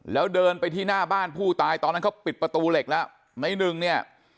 แล้วเดินไปที่หน้าบ้านผู้ตายตอนนั้นเขาปิดประตูเหล็กแล้วในหนึ่งเนี่ย